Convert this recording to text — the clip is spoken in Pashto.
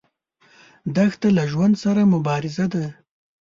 دښته له ژوند سره مبارزه ده.